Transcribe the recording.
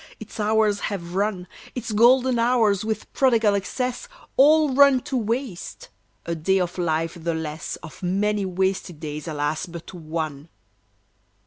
Its hours have run, Its golden hours, with prodigal excess, All run to waste. A day of life the less; Of many wasted days, alas, but one!